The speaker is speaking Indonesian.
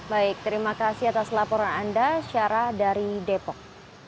baik terima kasih atas laporan anda syarah dari depok